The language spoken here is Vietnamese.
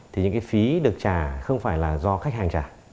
thì những cái phí được trả không phải là do khách hàng trả